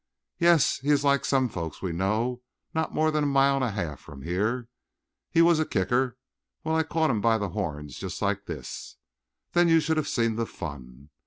"Yes, he is like some folks we know not more than a mile and a half from here. He was a kicker. Well, I caught him by the horns just like this. Then you should have seen the fun.